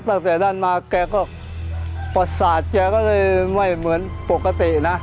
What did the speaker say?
ตั้งแต่นั้นมาแกก็ประสาทแกก็เลยไม่เหมือนปกตินะ